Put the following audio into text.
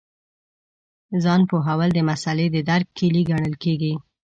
ځان پوهول د مسألې د درک کیلي ګڼل کېږي.